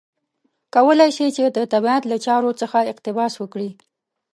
کولای شي چې د طبیعت له چارو څخه اقتباس وکړي.